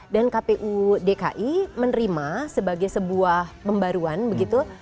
dan kpu dki menerima sebagai sebuah pembaruan begitu